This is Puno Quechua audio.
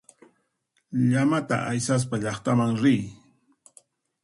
Llamata aysaspa llaqtaman riy.